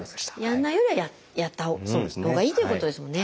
やらないよりはやったほうがいいということですもんね。